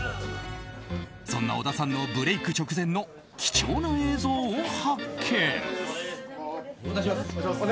そんな小田さんのブレーク直前の貴重な映像を発見。